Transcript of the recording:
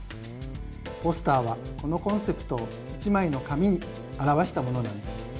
ポスターはこのコンセプトを一枚の紙に表したものなんです。